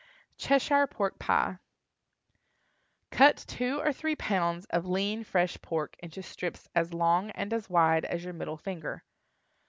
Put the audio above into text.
CHESHIRE PORK PIE. Cut two or three pounds of lean fresh pork into strips as long and as wide as your middle finger.